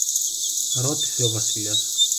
ρώτησε ο Βασιλιάς.